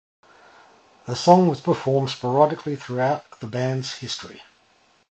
The song was performed sporadically throughout the band's history.